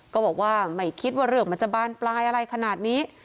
ก็บอกว่าไม่คิดว่าเรื่องมันจะบานปลายอะไรขนาดนี้